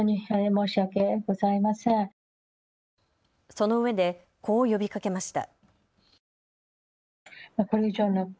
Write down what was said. そのうえで、こう呼びかけました。